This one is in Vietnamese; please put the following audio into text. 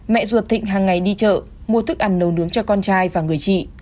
mẹ ruột thịnh hàng ngày đi chợ mua thức ăn nấu nướng cho con trai và người chị